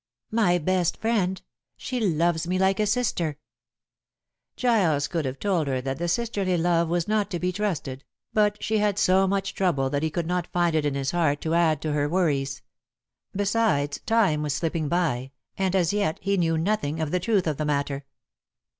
"My best friend. She loves me like a sister." Giles could have told her that the sisterly love was not to be trusted, but she had so much trouble that he could not find it in his heart to add to her worries. Besides, time was slipping by, and as yet he knew nothing of the truth of the matter.